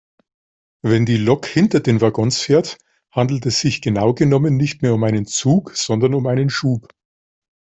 Wenn die Lok hinter den Waggons fährt, handelt es sich genau genommen nicht mehr um einen Zug sondern um einen Schub.